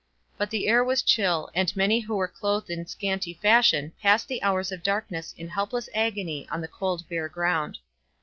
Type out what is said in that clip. But the air was chill, and many who were clothed in scanty fashion passed the hours of darkness in helpless agony on the cold, bare ground.